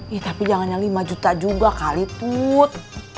ih tapi jangan yang lima juta juga kali tut